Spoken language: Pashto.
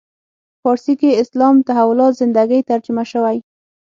فارسي کې اسلام تحولات زندگی ترجمه شوی.